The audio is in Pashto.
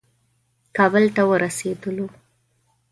کابل ته ورسېدلو.